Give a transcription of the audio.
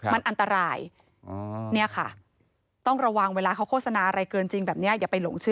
มันอันตราย